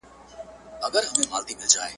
مړ يې کړم اوبه له ياده وباسم,